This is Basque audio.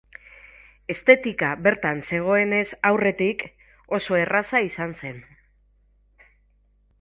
Estetika bertan zegoenez aurretik, oso erraza izan zen.